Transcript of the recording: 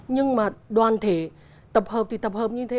nhưng mà đoàn thể tập hợp thì tập hợp như thế